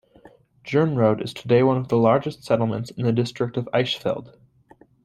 Gernrode is today one of the largest settlements in the District of Eichsfeld.